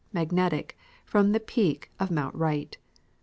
magnetic, from the peak of mount Wright.